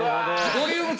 「ボリューム２」。